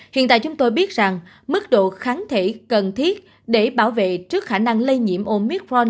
hiện tại chúng tôi biết rằng mức độ kháng thể cần thiết để bảo vệ trước khả năng lây nhiễm omitforn